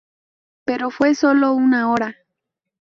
Pero fue sólo una hora.